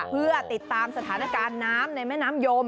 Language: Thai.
เพื่อติดตามสถานการณ์น้ำในแม่น้ำยม